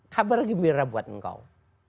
kabar gembira buat engkau